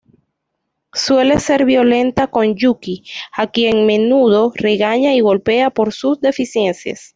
Suele ser violenta con Yūki, a quien menudo regaña y golpea por sus deficiencias.